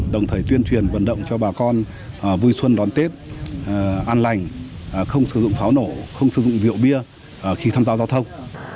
đồng thời tuyên truyền vận động cho bà con vui xuân đón tết an lành không sử dụng pháo nổ không sử dụng rượu bia khi tham gia giao thông